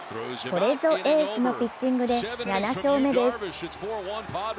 これぞエースのピッチングで７勝目です。